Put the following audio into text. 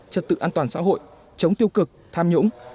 trật tự an toàn xã hội chống tiêu cực tham nhũng